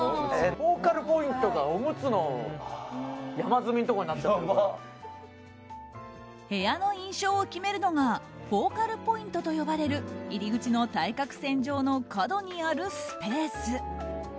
フォーカルポイントがおむつの山積みのところに部屋の印象を決めるのがフォーカルポイントと呼ばれる入り口の対角線上の角にあるスペース。